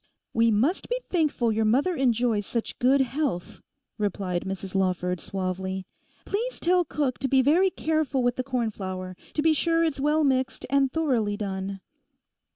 'We must be thankful your mother enjoys such good health,' replied Mrs Lawford suavely. 'Please tell cook to be very careful with the cornflour—to be sure it's well mixed and thoroughly done.